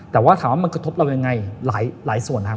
แต่ว่าถามว่ามันกระทบเรายังไงหลายส่วนครับ